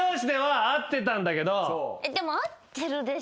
でも合ってるでしょ。